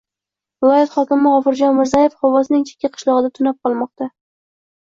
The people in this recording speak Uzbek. Viloyat hokimi G‘ofurjon Mirzayev Xovosning chekka qishlog‘ida tunab qolmoqda...